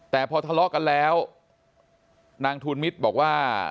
แต่พอทะเลาะกันแล้วนางทูลมิตรบอกว่า